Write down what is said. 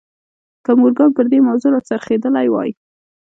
که مورګان پر دې موضوع را څرخېدلی وای